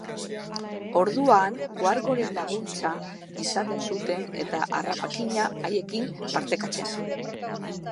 Orduan, wargoen laguntza izaten zuten eta harrapakina haiekin partekatzen.